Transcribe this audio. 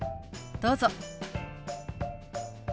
どうぞ。